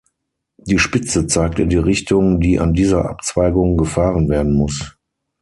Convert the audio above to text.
Die Spitze zeigt in die Richtung, die an dieser Abzweigung gefahren werden muss.